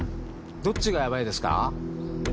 どっちがヤバいですか？